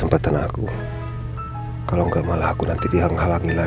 jaman udah berakhir ha